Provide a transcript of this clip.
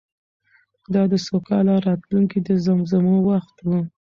دا د سوکاله راتلونکې د زمزمو وخت و.